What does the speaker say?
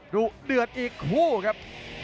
ดุเดือดอีกคู่ครับ